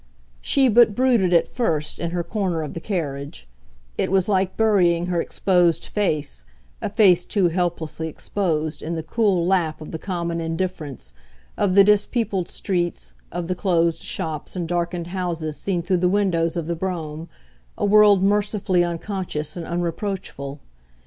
She but brooded, at first, in her corner of the carriage: it was like burying her exposed face, a face too helplessly exposed, in the cool lap of the common indifference, of the dispeopled streets, of the closed shops and darkened houses seen through the window of the brougham, a world mercifully unconscious and unreproachful.